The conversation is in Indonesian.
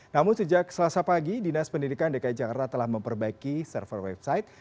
namun sejak selasa pagi dinas pendidikan dki jakarta telah memperbaiki server website